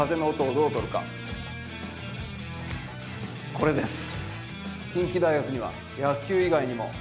これです。